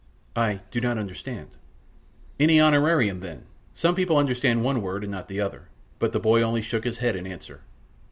"I do not understand." "Any honorarium, then? Some people understand one word and not the other." But the boy only shook his head in answer.